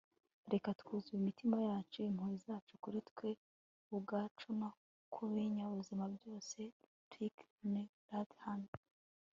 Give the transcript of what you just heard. reka twuzuze imitima yacu impuhwe zacu - kuri twe ubwacu no ku binyabuzima byose. - thich nhat hanh